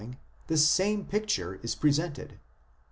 the same picture is presented.